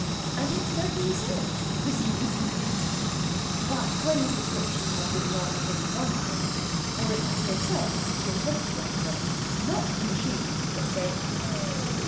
And it certainly said "whizzy wizzy wizz." But Gwenny's description had been wrong in one point. For it was yourself, the investigator, not the machine, that said "e e e e!"